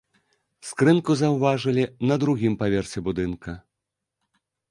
Скрынку заўважылі на другім паверсе будынка.